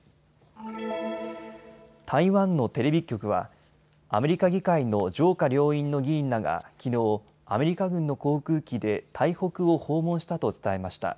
台湾のテレビ局はアメリカ議会の上下両院の議員らがきのう、アメリカ軍の航空機で台北を訪問したと伝えました。